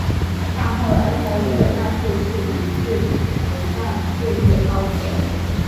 但后来开设办事处一事不但束之高阁。